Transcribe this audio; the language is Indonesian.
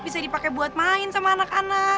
bisa dipakai buat main sama anak anak